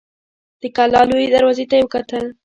د کلا لويي دروازې ته يې وکتل.